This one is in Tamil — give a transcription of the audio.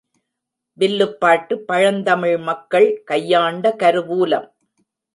வில்லுப்பாட்டு பழந்தமிழ்மக்கள் கையாண்ட கருவூலம்.